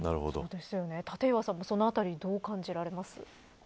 立岩さんも、そのあたりどう感じられますか。